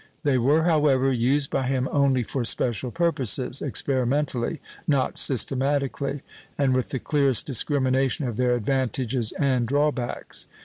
They were, however, used by him only for special purposes, experimentally, not systematically, and with the clearest discrimination of their advantages and drawbacks.